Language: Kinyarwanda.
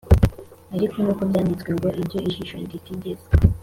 Ariko nk uko byanditswe ngo Ibyo ijisho ritigeze